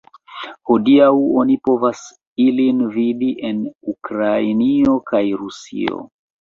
Hodiaŭ oni povas ilin vidi en Ukrainio kaj Rusio.